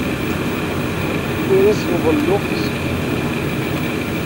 Ur asen-ḍelluɣ tizeft.